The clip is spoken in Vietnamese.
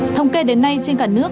thông kê đến nay trên cả nước